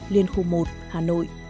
liên khu một hà nội